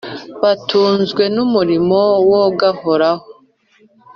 Batunzwe n’umurimo wogahoraho